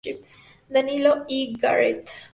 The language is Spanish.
Danilo E. Garrett.